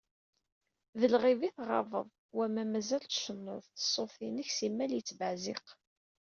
D lɣiba ay tɣabeḍ, wama mazal tcennuḍ, ṣṣut-inek simmal yettbeɛziq.